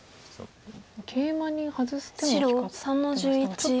ケイマにハズす手が光ってましたがちょっとでも。